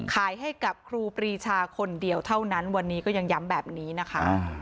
ขายให้กับครูปรีชาคนเดียวเท่านั้นวันนี้ก็ยังย้ำแบบนี้นะคะ